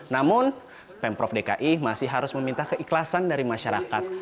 namun pemprov dki masih harus meminta keikhlasan dari masyarakat